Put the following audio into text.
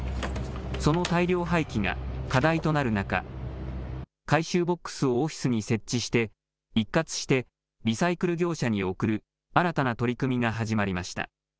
その大量廃棄が課題となる中、回収ボックスをオフィスに設置して、一括してリサイクル業者に送る新たな取り組みが始まりました。